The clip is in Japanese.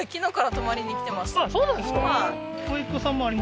あっそうなんですか？